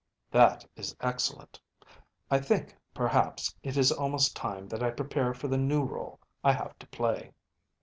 ‚ÄĚ “That is excellent. I think, perhaps, it is almost time that I prepare for the new role I have to play.